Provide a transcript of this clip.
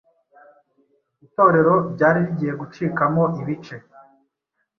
Itorero ryari rigiye gucikamo ibice.